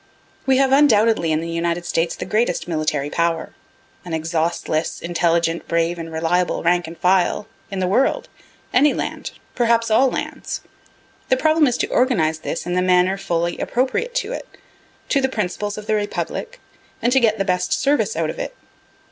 We have undoubtedly in the United States the greatest military power an exhaustless, intelligent, brave and reliable rank and file in the world, any land, perhaps all lands. The problem is to organize this in the manner fully appropriate to it, to the principles of the republic, and to get the best service out of it.